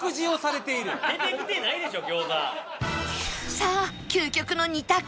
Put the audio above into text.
さあ究極の２択